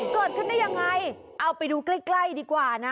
เกิดขึ้นได้ยังไงเอาไปดูใกล้ใกล้ดีกว่านะ